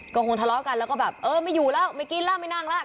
ก็คงทะเลาะกันแล้วก็แบบเออไม่อยู่แล้วไม่กินแล้วไม่นั่งแล้ว